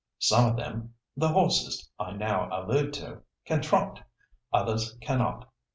Some of them—the horses, I now allude to—can trot. Others cannot.